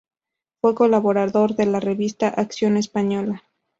Fue colaborador de la revista "Acción Española".